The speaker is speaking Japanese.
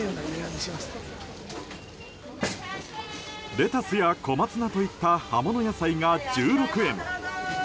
レタスや小松菜といった葉物野菜が１６円。